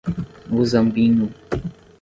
Muzambinho